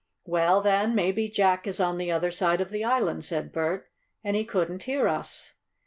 "Well, then maybe Jack is on the other side of the island," said Bert. "And he couldn't hear us."